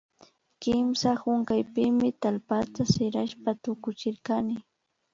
Kimsa hunkaypimi tallpata sirashpa tukuchirkani